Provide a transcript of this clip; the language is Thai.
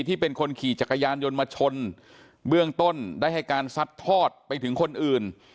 ที่เป็นคนขี่จักรยานยนต์มาชนเบื้องต้นได้ให้การซัดทอดไปถึงคนอื่น